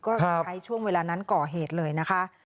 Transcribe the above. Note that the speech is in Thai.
ก็ใช้ช่วงเวลานั้นก่อเหตุเลยนะคะ